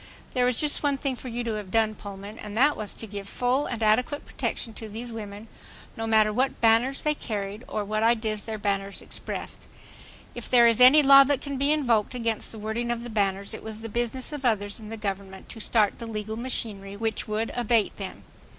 .. There was just one thing for you to have done, Pullman, and that was to give full and adequate protection to these women, no matter what banners they carried or what ideas their banners expressed. If there is any law that can be invoked against the wording of the banners it was the business of others in the government to start the legal machinery which would abate them.